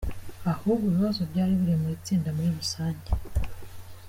Ahubwo ibibazo byari biri mu itsinda muri rusange.